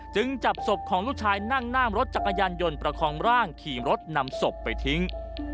จับศพของลูกชายนั่งหน้ามรถจักรยานยนต์ประคองร่างขี่รถนำศพไปทิ้ง